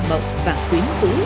mộng và quyến rũ